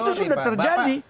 itu sudah terjadi